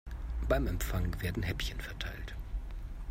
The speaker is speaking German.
Beim Empfang werden Häppchen verteilt.